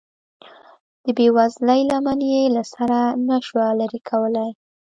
د بې وزلۍ لمن یې له سره نشوه لرې کولی.